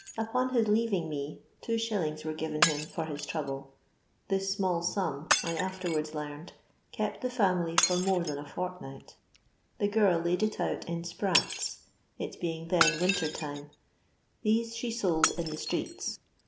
Upon his halving me, 2s. were given him for his trouble. This sninll sum (I afterwards learned) kept the family for more than a fortnight. The girl laid it out in sprats (it being then winter time) ; these she sold in the streets.